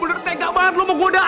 bener bener tegak banget lu mau goda